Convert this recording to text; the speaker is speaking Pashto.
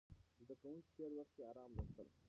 زده کوونکي تېر وخت کې ارام لوستل.